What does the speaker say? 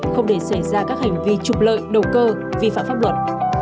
không để xảy ra các hành vi trục lợi đầu cơ vi phạm pháp luật